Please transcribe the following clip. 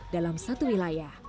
dalam satu wilayah